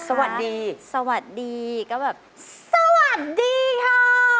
สวัสดีสวัสดีก็แบบสวัสดีค่ะ